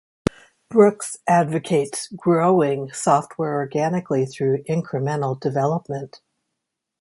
Brooks advocates "growing" software organically through incremental development.